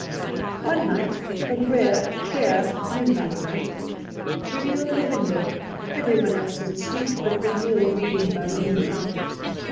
One night, a rare clear moonlight night, we kneel in the window; every one else is asleep, but we kneel reading by the moonlight.